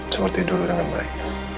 seperti dulu dengan baik